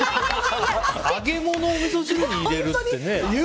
揚げ物をおみそ汁に入れるって。